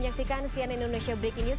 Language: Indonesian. menyaksikan cnn indonesia breaking news